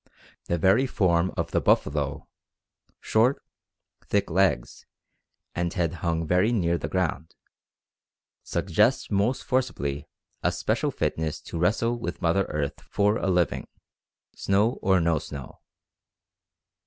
The very form of the buffalo short, thick legs, and head hung very near the ground suggests most forcibly a special fitness to wrestle with mother earth for a living, snow or no snow.